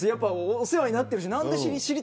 お世話になってるんで。